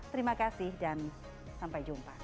terima kasih dan sampai jumpa